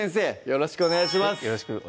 よろしくお願いします